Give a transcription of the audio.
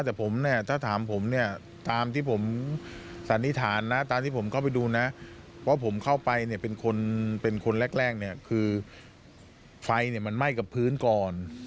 แต่ผมเนี่ยถ้าถามผมเนี่ยตามที่ผมสันนิษฐานนะตามที่ผมเข้าไปดูนะว่าผมเข้าไปเนี่ยเป็นคนเป็นคนแรกเนี่ยคือไฟเนี่ยมันไหม้กับพื้นก่อน